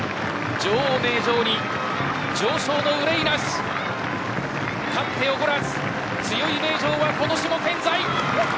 女王、名城に常勝の憂いなし勝っておごらず強い名城は今年も健在。